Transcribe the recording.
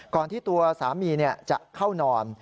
ก่อนที่ตัวสามีเนี่ยจะเข้านอน